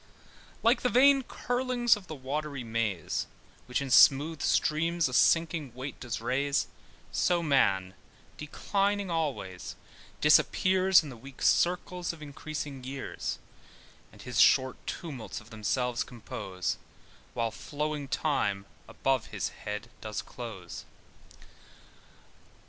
] LIKE the vain curlings of the watery maze, Which in smooth streams a sinking weight does raise, So Man, declining always, disappears In the weak circles of increasing years; And his short tumults of themselves compose, While flowing Time above his head does close.